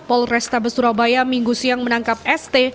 polresta besurabaya minggu siang menangkap st